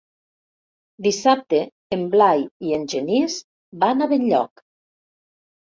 Dissabte en Blai i en Genís van a Benlloc.